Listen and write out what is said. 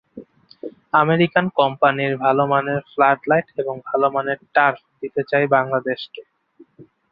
American কোম্পানির ভালো মানের ফ্লাডলাইট এবং ভালো মানের টার্ফ দিতে চাই বাংলাদেশকে।